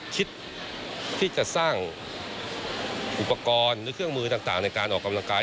คิดที่จะสร้างอุปกรณ์หรือเครื่องมือต่างในการออกกำลังกาย